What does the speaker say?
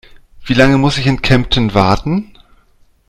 Wie lange muss ich in Kempten warten?